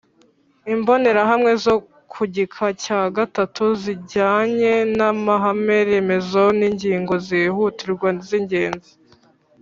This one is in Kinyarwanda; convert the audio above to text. imbonerahamwe zo ku gika cya gatatu zijyanye n'amahame remezo n'ingingo zihutirwa z'ingenzi